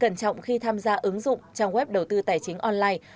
cẩn trọng khi tham gia ứng dụng trang web đầu tư tài chính online